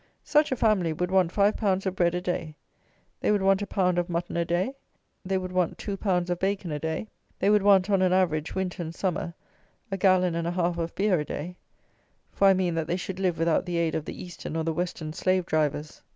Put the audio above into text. Such a family would want 5 lb. of bread a day; they would want a pound of mutton a day; they would want two pounds of bacon a day; they would want, on an average, winter and summer, a gallon and a half of beer a day; for I mean that they should live without the aid of the Eastern or the Western slave drivers.